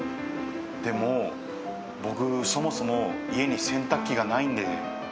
でも僕そもそも家に洗濯機がないんで。